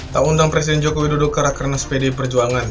tak undang presiden jokowi duduk ke rekarnas pd perjuangan